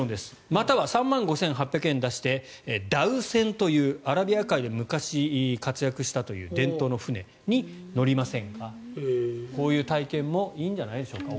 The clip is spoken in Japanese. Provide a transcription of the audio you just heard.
または３万５８００円出してダウ船というアラビア海で昔、活躍したという伝統の船に乗りませんかとこういう体験もいいんじゃないでしょうか。